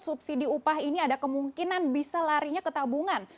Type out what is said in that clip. subsidi upah ini ada kemungkinan bisa larinya ke tabungan